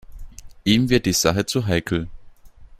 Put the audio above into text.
Ihm wird die Sache zu heikel.